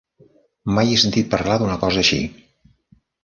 Mai he sentit parlar d'una cosa així.